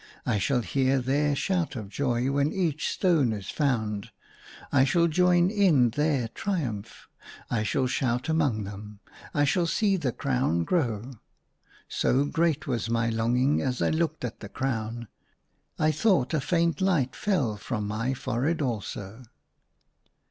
I shall hear their shout of joy when each stone is found ; I shall join in their triumph I shall shout among them; I shall see the crown grow." So great was my longing as I looked at the crown, I thought a faint light fell from my forehead also.